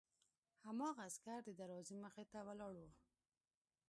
هماغه عسکر د دروازې مخې ته ولاړ و